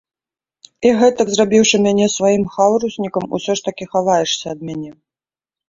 І гэтак зрабіўшы мяне сваім хаўруснікам, усё ж такі хаваешся ад мяне!